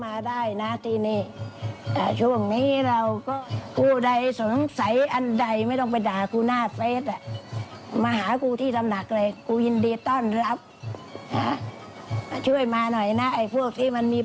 คือแล้วก็พูดต่อว่ามาเลยถ้าคิดว่าทำได้มาทำหน้าอย่างนี้